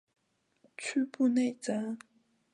屈布内泽。